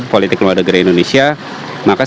politik luar negeri indonesia maka